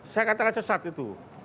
saya katakan sesat itu